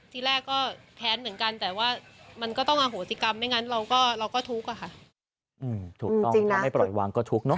ถูกต้องถ้าไม่ปล่อยวางก็ทุกข์เนอะ